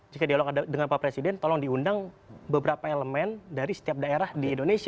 jika dialog dengan pak presiden tolong diundang beberapa elemen dari setiap daerah di indonesia